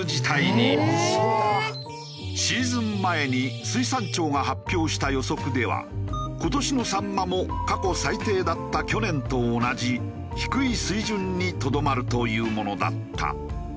シーズン前に水産庁が発表した予測では今年のサンマも過去最低だった去年と同じ低い水準にとどまるというものだった。